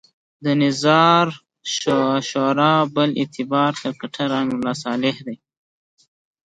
د نظار شورا بل اعتباري کرکټر امرالله صالح دی.